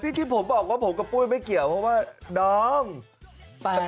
ที่ที่ผมบอกว่าผมกับปุ้ยไม่เกี่ยวเพราะว่าดอม